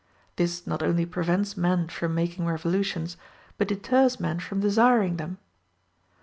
This not only prevents men from making revolutions, but deters men from desiring them.